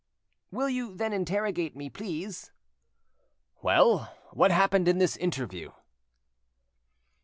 "Will you then interrogate me, please?" "Well, what happened in this interview?"